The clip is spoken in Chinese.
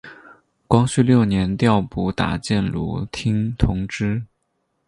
光绪六年调补打箭炉厅同知。